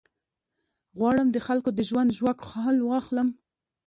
غواړم د خلکو د ژوند ژواک حال واخلم.